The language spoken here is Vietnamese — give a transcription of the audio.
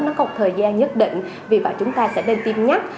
nó có một thời gian nhất định vì vậy chúng ta sẽ nên tin nhắc